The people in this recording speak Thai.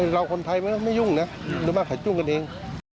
เราคนไทยไม่ยุ่งเนอะโดยมากขายจุ่มกันเอง